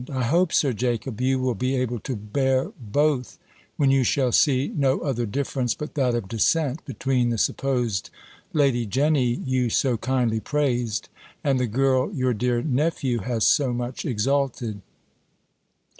"I hope, Sir Jacob, you will be able to bear both, when you shall see no other difference but that of descent, between the supposed Lady Jenny you so kindly praised, and the girl your dear nephew has so much exalted."